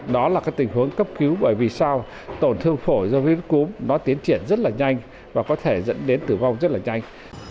đó là tình huống cấp cứu bởi vì sao tổn thương phổi do virus cúm nó tiến triển rất là nhanh và có thể dẫn đến tử vong rất là nhanh